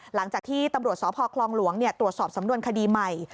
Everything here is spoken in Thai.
หลังจากที่ตำรวจสพคลองหลวงตรวจสอบสำนวนคดีใหม่